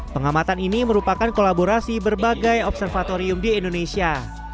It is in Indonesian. pengamatan ini merupakan kolaborasi berbagai observatorium di indonesia